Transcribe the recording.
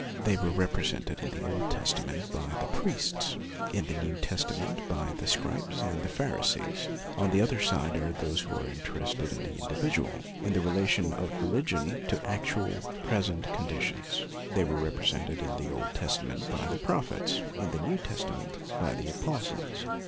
They were represented in the Old Testament by the priests, in the New Testament by the Scribes and Pharisees. On the other side are those who are in terested in the individual, in the relation LUTHER 15 of religion to actual, present conditions. They were represented in the Old Testa ment by the prophets, in the New Testa ment by the apostles.